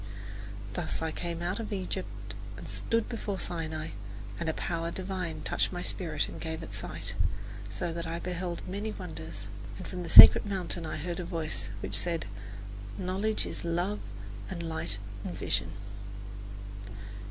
Thus I came up out of Egypt and stood before Sinai, and a power divine touched my spirit and gave it sight, so that I beheld many wonders. And from the sacred mountain I heard a voice which said, "Knowledge is love and light and vision."